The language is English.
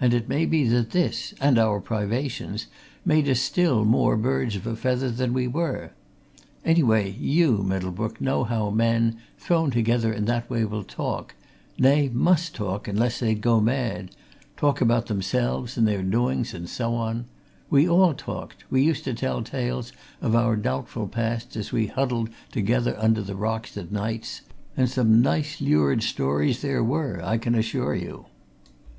And it may be that this, and our privations, made us still more birds of a feather than we were. Anyway, you, Middlebrook, know how men, thrown together in that way, will talk nay, must talk unless they'd go mad! talk about themselves and their doings and so on. We all talked we used to tell tales of our doubtful pasts as we huddled together under the rocks at nights, and some nice, lurid stores there were, I can assure you.